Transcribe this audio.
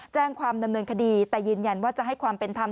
แจ้งความดำเนินคดีแต่ยืนยันว่าจะให้ความเป็นธรรม